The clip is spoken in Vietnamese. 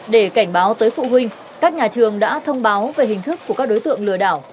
để cảnh báo tới phụ huynh các nhà trường đã thông báo về hình thức của các đối tượng lừa đảo